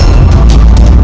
kemarilah putra ku